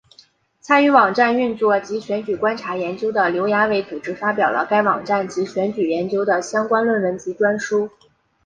参与网站运作及选举观察研究的刘亚伟组织发表了该网站及选举研究的相关论文及专书。